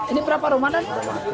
ini berapa rumah dan